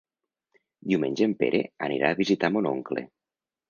Diumenge en Pere anirà a visitar mon oncle.